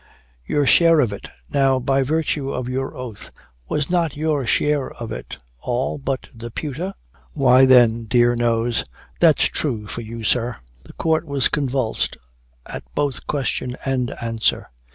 "Your share of it; now by virtue of your oath, was not your share of it all but the pewter?" "Why, then, dear knows, that's true for you, sir." The Court was convulsed at both question and answer.